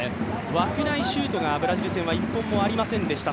枠内シュートがブラジル戦は１本もありませんでした。